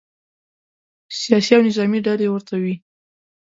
سیاسي او نظامې ډلې ورته وي.